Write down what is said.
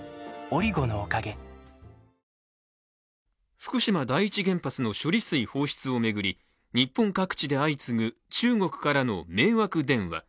福島第一原発の処理水放出を巡り、日本各地で相次ぐ中国からの迷惑電話。